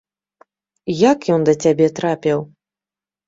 Як ён да цябе трапіў?